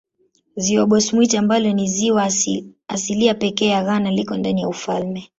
Ziwa Bosumtwi ambalo ni ziwa asilia pekee ya Ghana liko ndani ya ufalme.